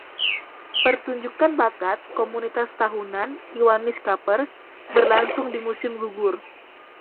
Pertunjukan bakat komunitas tahunan, Kiwanis Kapers, berlangsung di musim gugur.